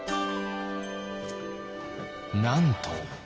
なんと。